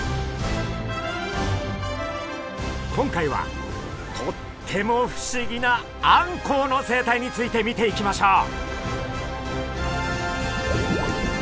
今回はとっても不思議なあんこうの生態について見ていきましょう！